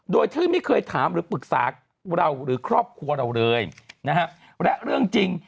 โดยที่ไม่เคยถามหรือปรึกษาเราหรือครอบครัวเราเลยนะฮะและเรื่องจริง